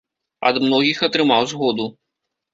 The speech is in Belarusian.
Ад многіх атрымаў згоду.